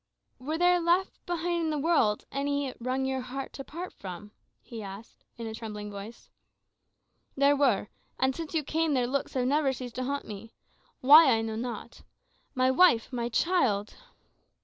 "Were there left behind in the world any that it wrung your heart to part from?" he asked, in a trembling voice. "There were. And since you came, their looks have never ceased to haunt me. Why, I know not. My wife, my child!"